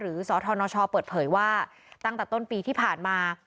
สธนชเปิดเผยว่าตั้งแต่ต้นปีที่ผ่านมา